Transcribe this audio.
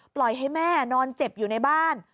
ปล่อยให้แม่นอนเจ็บอยู่ในบ้าน